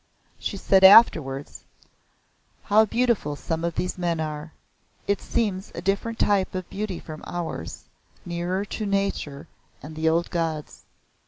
She said afterwards; "How beautiful some of these men are. It seems a different type of beauty from ours, nearer to nature and the old gods.